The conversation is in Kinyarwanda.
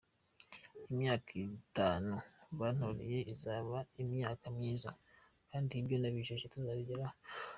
Imyaka itanu bantoreye izaba imyaka myiza, kandi ibyo nabijeje tuzabigeraho.